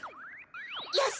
よし！